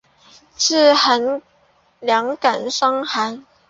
治两感伤寒。